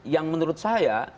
yang menurut saya